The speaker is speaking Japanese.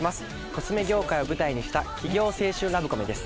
コスメ業界を舞台にした企業青春ラブコメです。